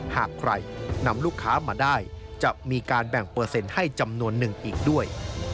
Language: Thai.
หากใครนำลูกค้ามาได้จะมีการแบ่งเปอร์เซ็นต์ให้จำนวนหนึ่งอีกด้วย